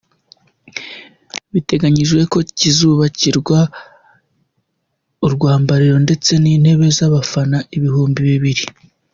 Biteganyijwe ko kizubakirwa urwambariro ndetse n’intebe z’abafana ibihumbi bibiri.